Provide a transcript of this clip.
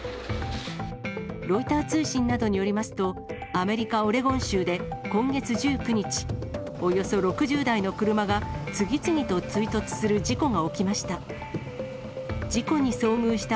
ロイター通信などによりますと、アメリカ・オレゴン州で今月１９日、およそ６０台の車が次々と追突する事故が起きました。